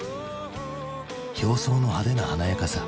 表層の派手な華やかさ。